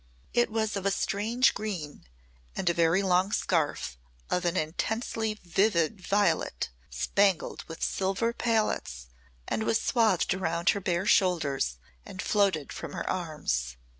It was of a strange green and a very long scarf of an intensely vivid violet spangled with silver paillettes was swathed around her bare shoulders and floated from her arms.